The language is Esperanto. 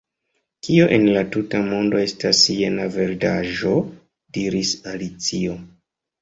"Kio en la tuta mondo estas jena verdaĵo?" diris Alicio.